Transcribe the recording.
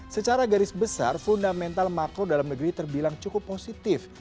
secara garis besar fundamental makro dalam negeri terbilang cukup positif